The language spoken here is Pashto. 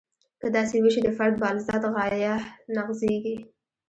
که داسې وشي د فرد بالذات غایه نقضیږي.